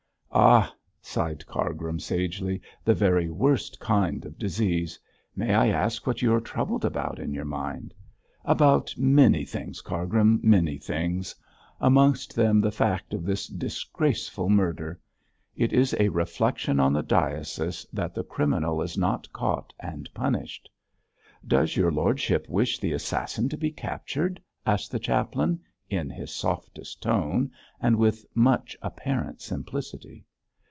'Ah!' sighed Cargrim, sagely, 'the very worst kind of disease. May I ask what you are troubled about in your mind?' 'About many things, Cargrim, many things. Amongst them the fact of this disgraceful murder. It is a reflection on the diocese that the criminal is not caught and punished.' 'Does your lordship wish the assassin to be captured?' asked the chaplain, in his softest tone, and with much apparent simplicity.